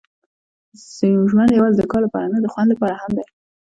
ژوند یوازې د کار لپاره نه، د خوند لپاره هم دی.